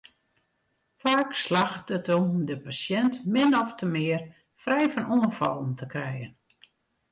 Faak slagget it om de pasjint min ofte mear frij fan oanfallen te krijen.